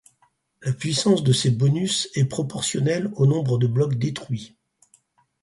La puissance de ces bonus est proportionnelle au nombre de blocs détruits.